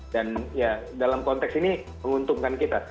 dan dalam konteks ini menguntungkan kita